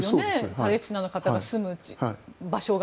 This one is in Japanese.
パレスチナの方が住む場所が。